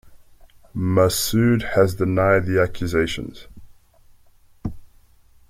Masood has denied the accusations.